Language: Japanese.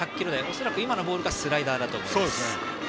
恐らく今のボールがスライダーだと思われます。